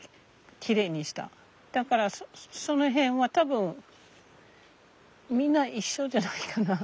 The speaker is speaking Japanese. だからその辺は多分みんな一緒じゃないかな？